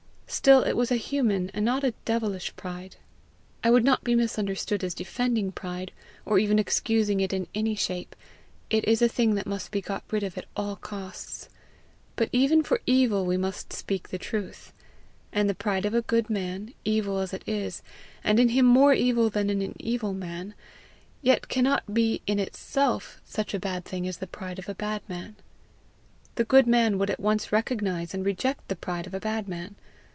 Still it was a human and not a devilish pride. I would not be misunderstood as defending pride, or even excusing it in any shape; it is a thing that must be got rid of at all costs; but even for evil we must speak the truth; and the pride of a good man, evil as it is, and in him more evil than in an evil man, yet cannot be in itself such a bad thing as the pride of a bad man. The good man would at once recognize and reject the pride of a bad man.